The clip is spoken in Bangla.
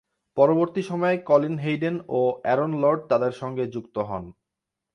পরবর্তী সময়ে কলিন হেইডেন ও অ্যারন লর্ড তাদের সঙ্গে যুক্ত হন।